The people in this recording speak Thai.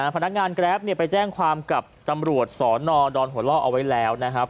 พนักงานแกรปไปแจ้งความกับตำรวจสนดอนหัวล่อเอาไว้แล้วนะครับ